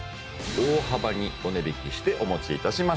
大幅にお値引きしてお持ちいたしました